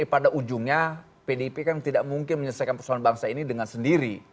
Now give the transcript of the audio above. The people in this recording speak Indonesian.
pada ujungnya pdip kan tidak mungkin menyelesaikan persoalan bangsa ini dengan sendiri